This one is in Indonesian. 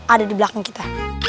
ada di belakang kita